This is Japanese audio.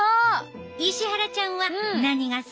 石原ちゃんは何が好き？